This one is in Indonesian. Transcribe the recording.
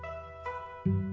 ya pak sofyan